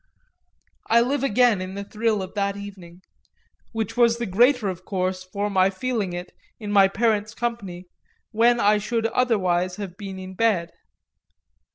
I live again in the thrill of that evening which was the greater of course for my feeling it, in my parents' company, when I should otherwise have been in bed.